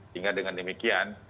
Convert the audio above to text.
hingga dengan demikian